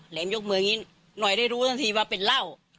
แหมยกมืออย่างนี้หน่อยได้รู้ทันทีว่าเป็นเหล้า